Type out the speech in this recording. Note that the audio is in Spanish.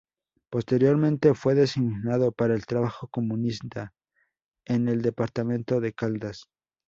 Posteriormente fue designado para el trabajo comunista en el departamento de Caldas.